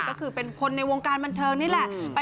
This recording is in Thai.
ก็คือเป็นคนในวงการบันเทิงนี่แหละ